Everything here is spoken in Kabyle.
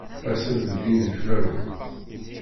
Ass-n deg yideflawen.